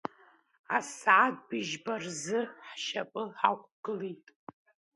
Асааҭ быжьба рзы ҳшьапы ҳақәгылеит.